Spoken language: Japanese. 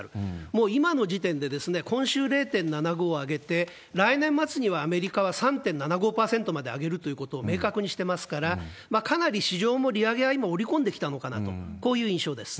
もう今の時点で、今週０．７５上げて、来年末にはアメリカは３．７５％まで上げるということを明確にしてますから、かなり市場も利上げは今、織り込んできたのかなと、こういう印象です。